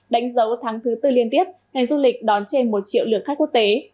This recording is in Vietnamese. đánh dấu tháng thứ tư liên tiếp ngành du lịch đón trên một triệu lượt khách quốc tế